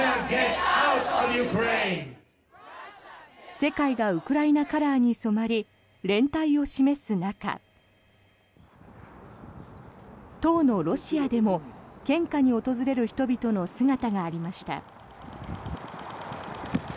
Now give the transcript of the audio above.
世界がウクライナカラーに染まり連帯を示す中当のロシアでも献花に訪れる人々の姿がありました。